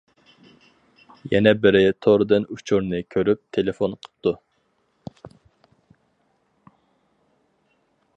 يەنە بىرى توردىن ئۇچۇرنى كۆرۈپ تېلېفون قىپتۇ.